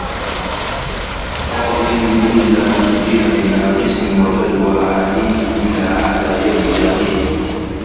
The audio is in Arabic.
فَاضِلٍ إلَّا مِنْ جِهَةِ نَاقِصٍ ، وَبَلْوَى عَالِمٍ إلَّا عَلَى يَدِ جَاهِلٍ